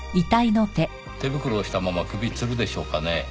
手袋をしたまま首吊るでしょうかね？